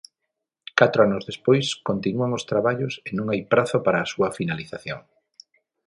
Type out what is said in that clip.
Catro anos despois, continúan os traballos e non hai prazo para a súa finalización.